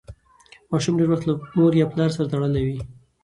ماشوم ډېر وخت له مور یا پلار سره تړلی وي.